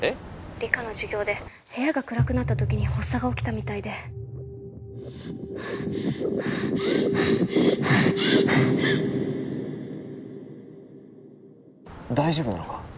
☎理科の授業で部屋が暗くなった時に発作が起きたみたいで大丈夫なのか？